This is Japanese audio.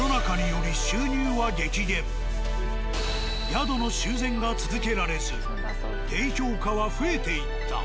宿の修繕が続けられず低評価は増えていった。